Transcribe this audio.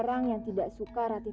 mengusir ratih dari rumahmu